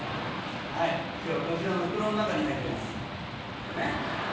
今日はこちらの袋の中に入ってます。